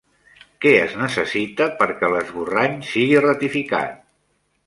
Què es necessita perquè l'esborrany sigui ratificat?